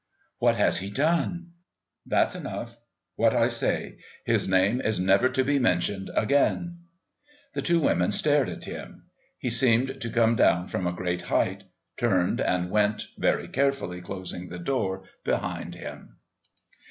"What has he done?" "That's enough. What I say. His name is never to be mentioned again." The two women stared at him. He seemed to come down from a great height, turned and went, very carefully closing the door behind him.